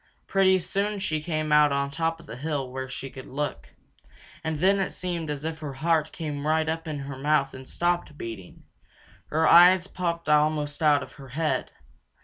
Pretty soon she came out on the top of the hill where she could look, and then it seemed as if her heart came right up in her mouth and stopped beating. Her eyes popped almost out of her head.